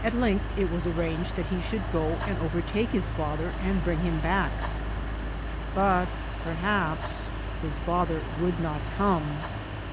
At length it was arranged that he should go and overtake his father and bring him back ; but perhaps his father would not come.